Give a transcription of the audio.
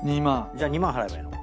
じゃあ２万払えばいいの？